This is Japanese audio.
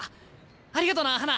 ありがとな花。